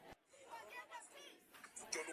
Las flotas se encontraron cerca de Cnido.